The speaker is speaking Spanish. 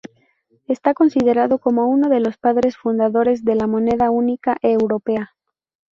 Está considerado como uno de los padres fundadores de la moneda única europea.